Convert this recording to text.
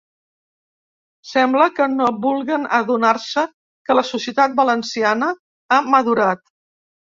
Sembla que no vulguen adonar-se que la societat valenciana ha madurat.